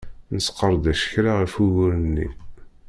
Nesqerdec kra ɣef ugur-nni.